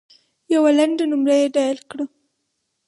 یوه لنډه نمره یې ډایل کړه .